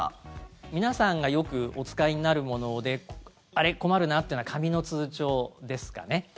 皆さんがよくお使いになるものであれ、困るなというのは紙の通帳ですかね。